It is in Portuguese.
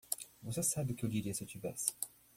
Você sabe que eu diria se eu tivesse.